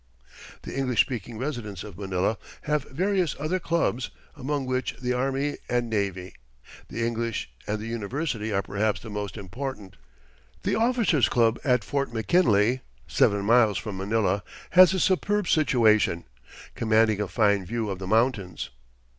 The English speaking residents of Manila have various other clubs, among which the Army and Navy, the English, and the University are perhaps the most important. The Officers' Club, at Fort McKinley (seven miles from Manila) has a superb situation, commanding a fine view of the mountains.